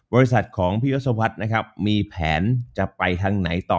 บริษัทของพี่ยศวรรษนะครับมีแผนจะไปทางไหนต่อ